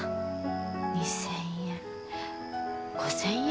２，０００円５，０００円？